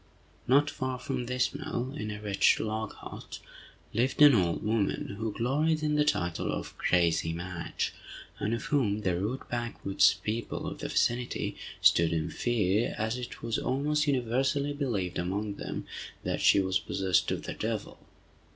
Not far from this mill, in a wretched log hut, lived an old woman, who gloried in the title of "crazy Madge," and of whom the rude backwoods people of the vicinity stood in fear, as it was almost universally believed among them that she was possessed of the devil.